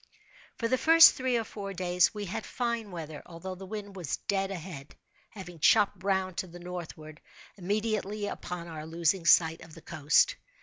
For the first three or four days we had fine weather, although the wind was dead ahead; having chopped round to the northward, immediately upon our losing sight of the coast.